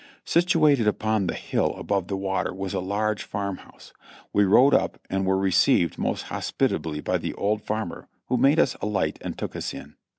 Situated upon the hill above the river was a large farm house We rode up and were received most hospitably by the old far mer, who made us alight and took us in.